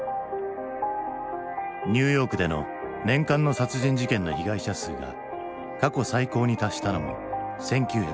ニューヨークでの年間の殺人事件の被害者数が過去最高に達したのも１９９０年のこと。